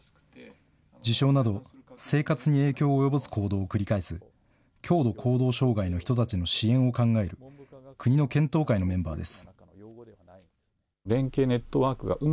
自傷など、生活に影響を及ぼす行動を繰り返す、強度行動障害の人たちの支援を考える国の検討会のメンバーです。